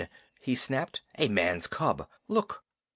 he snapped. "A man's cub. Look!"